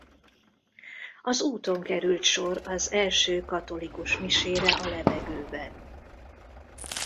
Az úton került sor az első katolikus misére a levegőben.